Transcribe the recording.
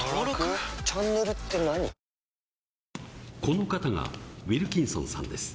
この方がウィルキンソンさんです。